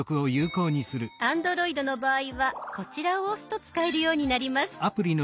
Ａｎｄｒｏｉｄの場合はこちらを押すと使えるようになります。